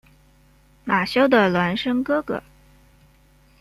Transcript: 马修的孪生哥哥。